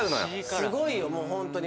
すごいよもうホントに。